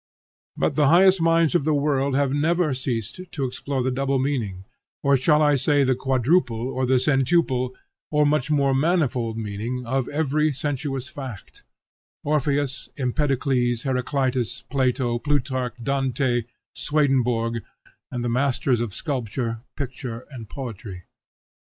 But the highest minds of the world have never ceased to explore the double meaning, or shall I say the quadruple or the centuple or much more manifold meaning, of every sensuous fact; Orpheus, Empedocles, Heraclitus, Plato, Plutarch, Dante, Swedenborg, and the masters of sculpture, picture, and poetry.